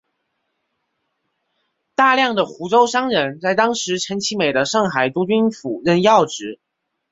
大量的湖州商人在当时陈其美的上海督军府任要职。